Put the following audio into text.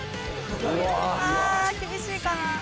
あ厳しいかな。